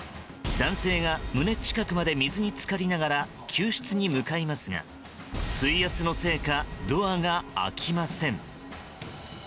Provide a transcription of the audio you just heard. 男性が胸近くまで水に浸かりながら救出に向かいますが水圧のせいかドアが開きません。